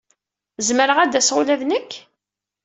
Zemreɣ ad aseɣ ula d nekk?